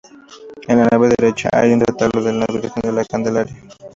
En la nave derecha hay un retablo con una Virgen de la Candelaria.